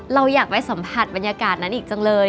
เราอยากไปสัมผัสบรรยากาศนั้นอีกจังเลย